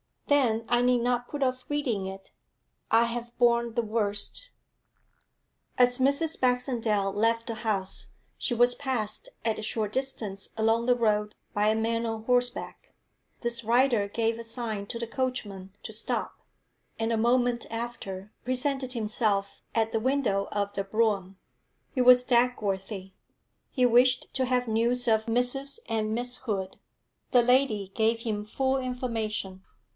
'Then I need not put off reading it. I have borne the worst.' As Mrs. Baxendale left the house, she was passed at a short distance along the road by a man on horseback. This rider gave a sign to the coachman to stop, and a moment after presented himself at the window of the brougham. It was Dagworthy; he wished to have news of Mrs. and Miss Hood. The lady gave him full information.